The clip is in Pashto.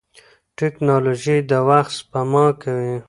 ټکنالوژي د وخت سپما کوي.